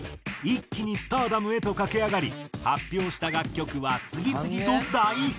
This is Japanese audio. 一気にスターダムへと駆け上がり発表した楽曲は次々と大ヒット！